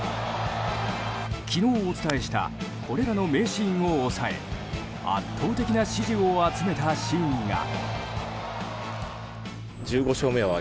昨日お伝えしたこれらの名シーンを抑え圧倒的な支持を集めたシーンが。